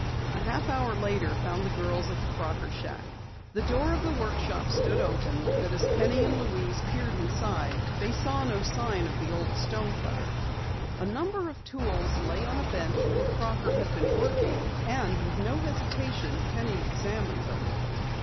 A half hour later found the two girls at the Crocker shack. The door of the workshop stood open, but as Penny and Louise peered inside, they saw no sign of the old stonecutter. A number of tools lay on a bench where Crocker had been working, and with no hesitation Penny examined them.